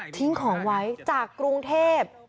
ทิ้งของไว้จากกรุงเทพ